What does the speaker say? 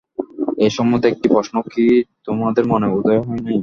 এ সম্বন্ধে একটা প্রশ্নও কি তোমাদের মনে উদয় হয় নাই?